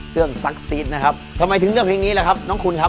ซักซีดนะครับทำไมถึงเลือกเพลงนี้ล่ะครับน้องคุณครับ